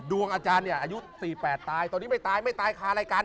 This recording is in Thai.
ดวงอาจารย์เนี่ยอายุ๔๘ตายตอนนี้ไม่ตายไม่ตายคารายการ